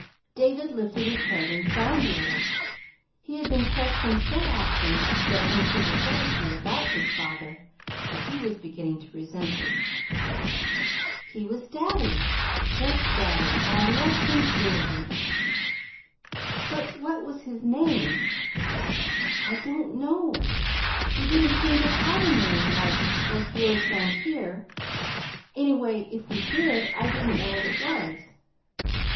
David lifted his head and frowned a little. He had been questioned so often, and so unsympathetically, about his father that he was beginning to resent it. "He was daddy just daddy; and I loved him dearly." "But what was his name?" "I don't know. We didn't seem to have a name like like yours down here. Anyway, if we did, I didn't know what it was."